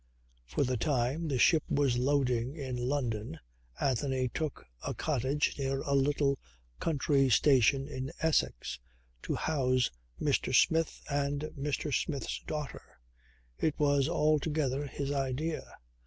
For the time the ship was loading in London Anthony took a cottage near a little country station in Essex, to house Mr. Smith and Mr. Smith's daughter. It was altogether his idea.